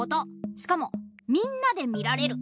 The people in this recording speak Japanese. しかもみんなでみられる。